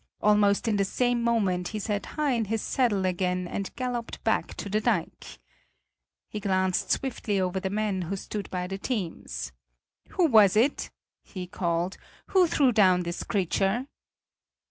Almost in the same moment he sat high in his saddle again and galloped back to the dike. He glanced swiftly over the men who stood by the teams. "Who was it?" he called. "Who threw down this creature?"